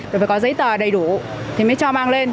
bởi phải có giấy tờ đầy đủ thì mới cho mang lên